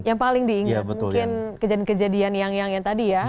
yang paling diingat mungkin kejadian kejadian yang tadi ya